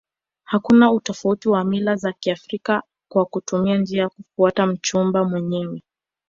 Hakuna utofauti na mila za kiafrika kwa kutumia njia ya kutafuta mchumba mwenyewe